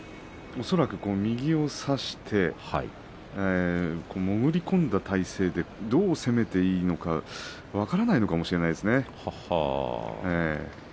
右を差して潜り込んだ体勢でどう攻めていいのか分からないのかもしれませんね。